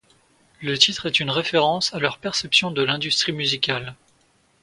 Le titre est une référence à leur perception de l'industrie musicale.